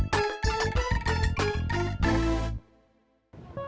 gak usah banyak ngomong